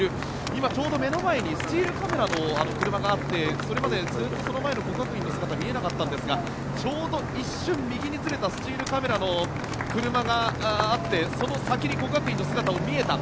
今、ちょうど目の前にスチールカメラの車があってそれまでずっと國學院の姿は見えなかったんですがちょうど一瞬右にずれたスチールカメラの車があってその先に國學院の姿も見えた